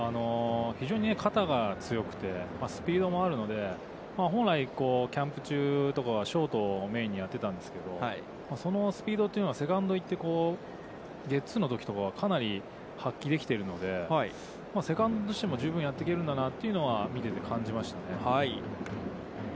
非常に肩が強くてスピードもあるので、本来キャンプ中はショートをメーンにやってたんですけど、そのスピードというのは、セカンドに行ってゲッツーのときとか、かなり発揮できてるので、セカンドとしても十分やっていけるかなというのも見てて感じましたね。